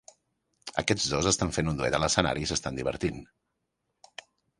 Aquests dos estan fent un duet a l'escenari i s'estan divertint.